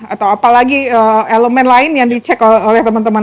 atau apalagi elemen lain yang dicek oleh teman teman